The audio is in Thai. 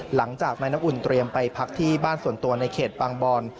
หลังจากนายน้ำอุ่นเตรียมไปพักที่บ้านส่วนตัวในเขตบางบอน